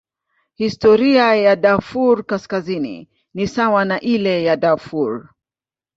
Historia ya Darfur Kaskazini ni sawa na ile ya Darfur.